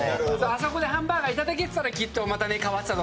あそこでハンバーガーいただけてたらまた変わってた。